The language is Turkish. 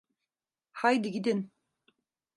Haydi gidin!